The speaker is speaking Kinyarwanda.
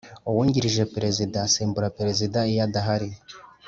Uwungirije perezida asimbura perezida iyo adahari .